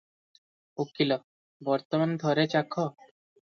ଉକୀଲ - ବର୍ତ୍ତମାନ ଥରେ ଚାଖ ।